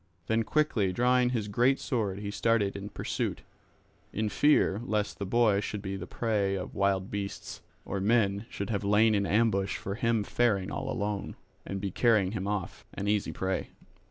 Then quickly drawing his great sword he started in pursuit, in fear lest the boy should be the prey of wild beasts, or men should have lain in ambush for him faring all alone, and be carrying him off, an easy prey.